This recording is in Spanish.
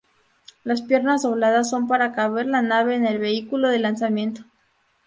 Las piernas dobladas son para caber la nave en el vehículo de lanzamiento.